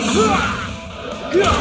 gw ingin menemukanau sekarang